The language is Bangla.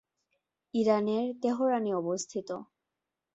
ইরানের তেহরানে অবস্থিত।